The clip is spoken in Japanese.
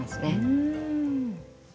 うん。